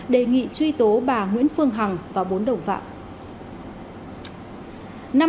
đề nghị truy tố bà nguyễn phương hằng và bốn đồng phạm